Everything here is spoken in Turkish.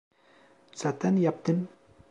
Zaten yaptım.